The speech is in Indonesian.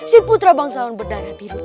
si putra bangsawan berdarah biru